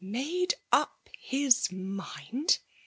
'*'< Made up his mind